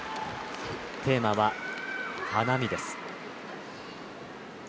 テーマは花見です。